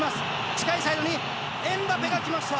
近いサイドにエムバペが来ました！